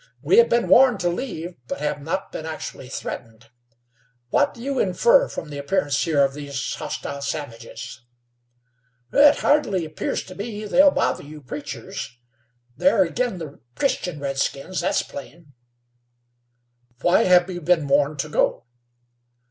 "We have been warned to leave, but have not been actually threatened. What do you infer from the appearance here of these hostile savages?" "It hardly 'pears to me they'll bother you preachers. They're agin the Christian redskins, that's plain." "Why have we been warned to go?"